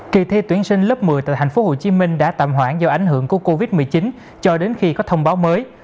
kỳ thi tuyển sinh lớp một mươi tại tp hcm đã tạm hoãn do ảnh hưởng của covid một mươi chín cho đến khi có thông báo mới